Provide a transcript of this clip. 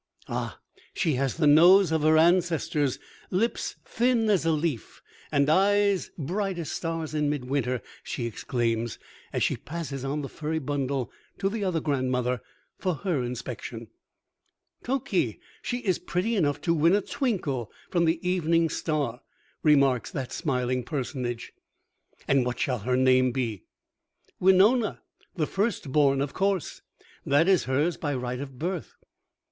"Ah, she has the nose of her ancestors! Lips thin as a leaf, and eyes bright as stars in midwinter!" she exclaims, as she passes on the furry bundle to the other grandmother for her inspection. "Tokee! she is pretty enough to win a twinkle from the evening star," remarks that smiling personage. "And what shall her name be? "Winona, the First born, of course. That is hers by right of birth."